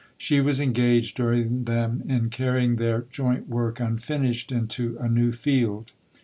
She was engaged during them in carrying their "joint work unfinished" into a new field.